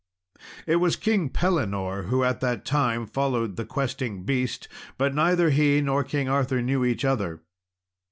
It was King Pellinore who at that time followed the questing beast, but neither he nor King Arthur knew each other.